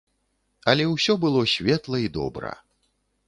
Але ўсё было светла і добра.